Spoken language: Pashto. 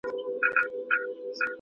لکه د څښتن په لاس د نقاشۍ پرده